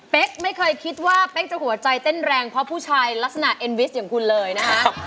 ไม่เคยคิดว่าเป๊กจะหัวใจเต้นแรงเพราะผู้ชายลักษณะเอ็นวิสอย่างคุณเลยนะฮะ